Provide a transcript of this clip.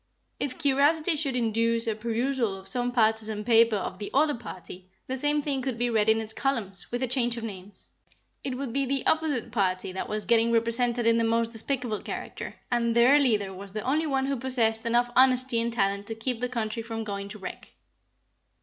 If curiosity should induce a perusal of some partisan paper of the other party, the same thing could be read in its columns, with a change of names. It would be the opposite party that was getting represented in the most despicable character, and their leader was the only one who possessed enough honesty and talent to keep the country from going to wreck.